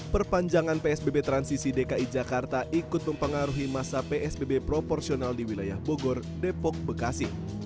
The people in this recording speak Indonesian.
perpanjangan psbb transisi dki jakarta ikut mempengaruhi masa psbb proporsional di wilayah bogor depok bekasi